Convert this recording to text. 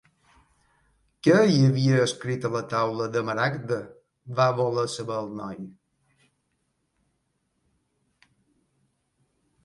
"Què hi havia escrit a la Taula de Maragda?" va voler saber el noi.